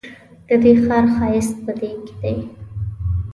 ددې ښار ښایست په دې کې دی.